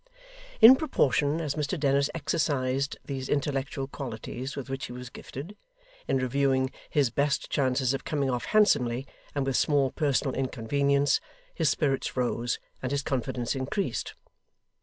In proportion as Mr Dennis exercised these intellectual qualities with which he was gifted, in reviewing his best chances of coming off handsomely and with small personal inconvenience, his spirits rose, and his confidence increased.